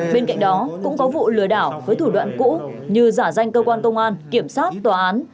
bên cạnh đó cũng có vụ lừa đảo với thủ đoạn cũ như giả danh cơ quan công an kiểm sát tòa án